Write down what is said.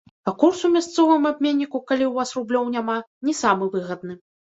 А курс у мясцовым абменніку, калі ў вас рублёў няма, не самы выгадны.